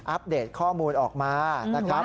เดตข้อมูลออกมานะครับ